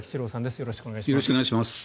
よろしくお願いします。